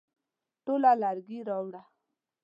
ټوله لرګي راوړه ؟